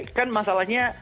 iya kan masalahnya